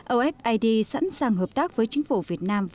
ofid sẵn sàng hợp tác với chính phủ việt nam